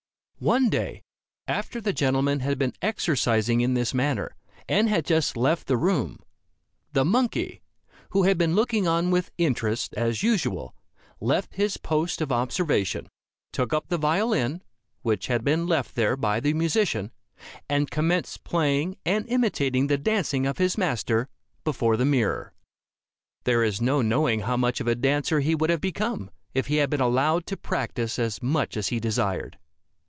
One day, after the gentleman had been exercising in this manner, and had just left the room, the monkey, who had been looking on with interest, as usual, left his post of observation, took up the violin, which had been left there by the musician, and commenced playing and imitating the dancing of his master, before the mirror. There is no knowing how much of a dancer he would have become, if he had been allowed to practice as much as he desired.